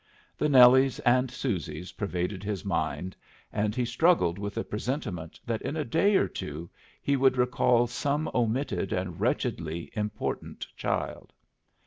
The Nellies and Susies pervaded his mind, and he struggled with the presentiment that in a day or two he would recall some omitted and wretchedly important child.